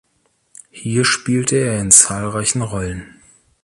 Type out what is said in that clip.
Hier spielte er in zahlreichen Rollen.